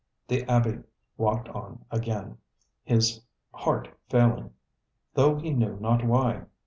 The abbe walked on again, his heart failing, though he knew not why.